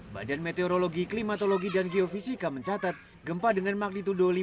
badan meteorologi klimatologi dan geofisika mencatat gempa dengan magnitudo lima lima terjadi pada pukul lima belas dua puluh